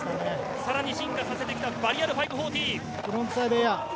さらに進化させてきた、バリアル５４０。